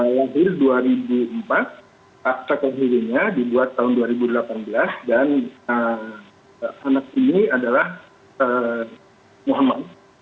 yang di dua ribu empat kakek hirunya dibuat tahun dua ribu delapan belas dan anak ini adalah muhammad